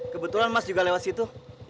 kebetulan mas juga lewat situ